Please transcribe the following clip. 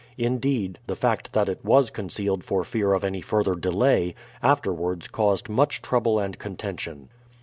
Indeed, the fact that it was concealed for fear of any further delay, afterwards caused much trouble and contention.